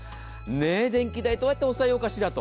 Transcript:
電気代どうやって抑えようかしらと。